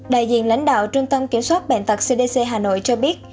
đại diện lãnh đạo trung tâm kiểm soát bệnh tật cdc hà nội cho biết